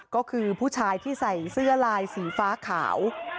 ก็คือผู้ชายที่ใส่เสื้อลายสีฟ้าขาว